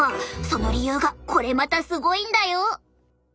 その理由がこれまたすごいんだよ！